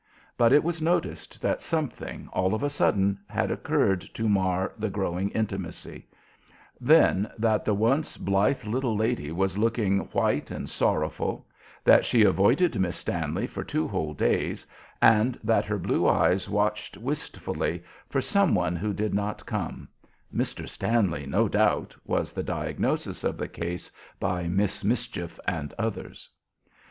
But it was noticed that something, all of a sudden, had occurred to mar the growing intimacy; then that the once blithe little lady was looking white and sorrowful; that she avoided Miss Stanley for two whole days, and that her blue eyes watched wistfully for some one who did not come, "Mr. Stanley, no doubt," was the diagnosis of the case by "Miss Mischief" and others.